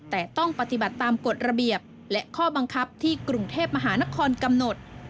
แต่ต้องปฏิบัติตามกฎระเบียบและข้อบังคับที่กรุงเทพมหานครกำหนด